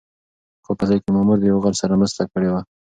خو په اصل کې مامور د يو غل سره مرسته کړې وه.